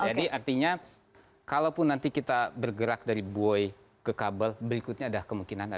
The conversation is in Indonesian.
jadi artinya kalau pun nanti kita bergerak dari buoy ke kabel berikutnya ada kemungkinan ya